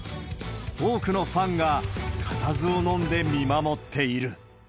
多くのファンが固唾を飲んで見守っている。